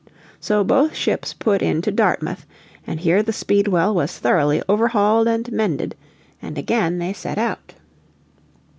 So both ships put in to Dartmouth, and here the Speedwell was thoroughly overhauled and mended, and again they set out.